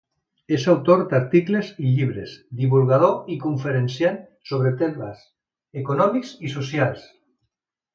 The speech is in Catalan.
És autor d'articles i llibres, divulgador i conferenciant sobre temes econòmics i socials.